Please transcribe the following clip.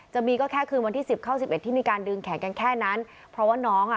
จะมีก็แค่คืนวันที่สิบเข้าสิบเอ็ดที่มีการดึงแขนกันแค่นั้นเพราะว่าน้องอ่ะ